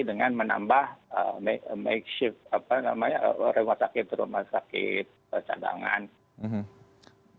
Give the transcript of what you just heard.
dengan menambah makeshift apa namanya rumah sakit rumah sakit cadangan